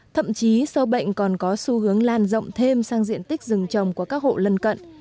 thậm chí sâu bệnh còn có xu hướng lan rộng thêm sang diện tích rừng trồng của các hộ lân cận